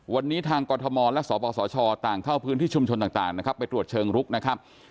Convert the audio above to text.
วันนี้ทางกรทมและสปสชต่างเข้าพื้นที่ชุมชนต่างนะครับไปตรวจเชิงลุกนะครับ